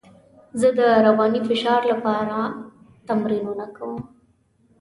زه د رواني فشار لپاره ارام تمرینونه کوم.